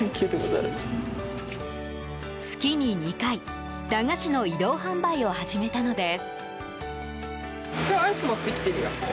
月に２回、駄菓子の移動販売を始めたのです。